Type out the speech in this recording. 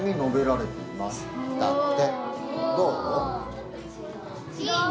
どう？